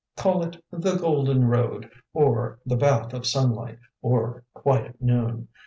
Call it 'The Golden Road,' or 'The Bath of Sunlight,' or 'Quiet Noon.'